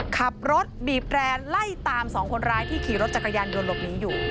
ขับรถบีบแรนไล่ตามสองคนร้ายที่ขี่รถจักรยานยนต์หลบหนีอยู่